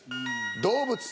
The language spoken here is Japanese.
「動物」。